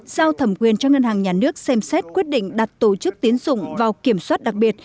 giao thẩm quyền cho ngân hàng nhà nước xem xét quyết định đặt tổ chức tiến dụng vào kiểm soát đặc biệt